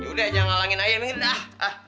yaudah jangan ngalangin ayah ini dah